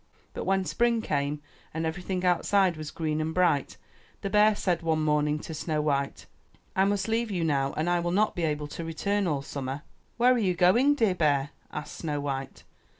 But when spring came and everything outside was green and bright, the bear said one morning to Snow white, ''I must leave you now and I will not be able to return all summer/' ''Where are you going, dear bear?'' asked Snow white.